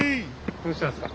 どうしたんすか。